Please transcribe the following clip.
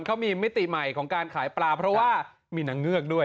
เขามีมิติใหม่ของการขายปลาเพราะว่ามีนางเงือกด้วย